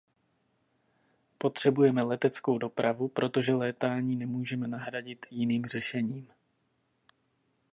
Potřebujeme leteckou dopravu, protože létání nemůžeme nahradit jiným řešením.